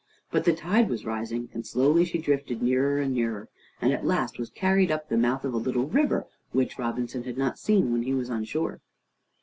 But the tide was rising, and slowly she drifted nearer and nearer, and at last was carried up the mouth of a little river which Robinson had not seen when he was on shore.